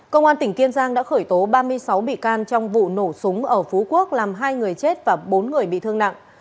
công an tỉnh kiên giang đã khởi tố ba mươi sáu bị can trong vụ nổ súng ở phú quốc làm hai người chết và bốn người bị thương nặng